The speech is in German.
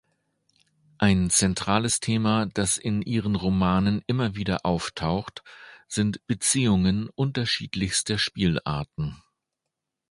Ein zentrales Thema, das in ihren Romanen immer wieder auftaucht, sind Beziehungen unterschiedlichster Spielarten.